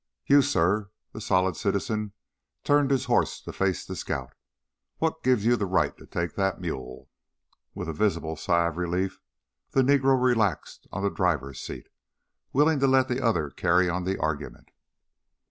"You, suh " the solid citizen turned his horse to face the scout "what gives you the right to take that mule?" With a visible sigh of relief, the Negro relaxed on the driver's seat, willing to let the other carry on the argument.